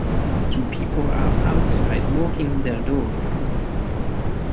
Two people are outside walking their dog.